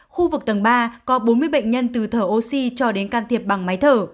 khu vực tầng ba có bốn mươi bệnh nhân từ thở oxy cho đến can thiệp bằng máy thở